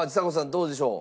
どうでしょう？